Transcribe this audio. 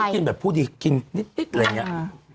กินแบบผู้ดีกินนิดอะไรอย่างนี้